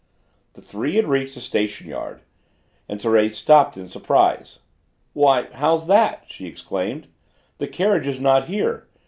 The three had reached the station yard, and Thérèse stopped in surprise. "Why, how's that?" she exclaimed; "the carriage is not here.